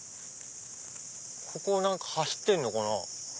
ここ走ってんのかな？